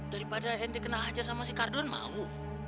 daripada yang dikenal hajar sama si kardun mau